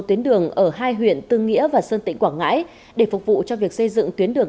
tuyến đường ở hai huyện tư nghĩa và sơn tịnh quảng ngãi để phục vụ cho việc xây dựng tuyến đường